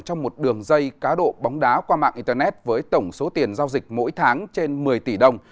trong một đường dây cá độ bóng đá qua mạng internet với tổng số tiền giao dịch mỗi tháng trên một mươi tỷ đồng